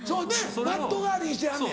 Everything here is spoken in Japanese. マット代わりにしてはんねん。